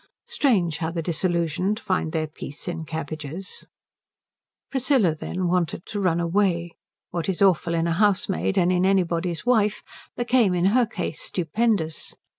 Strange how the disillusioned find their peace in cabbages. Priscilla, then, wanted to run away. What is awful in a housemaid and in anybody's wife became in her case stupendous.